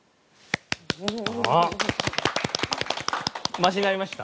マシになりました？